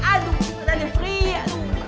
aduh matanya free